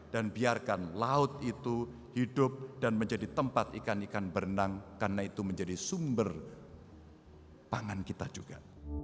dan biarkan laut itu hidup dan menjadi tempat ikan ikan berenang karena itu menjadi sumber pangan kita juga